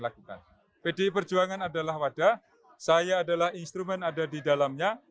lakukan pdi perjuangan adalah wadah saya adalah instrumen ada di dalamnya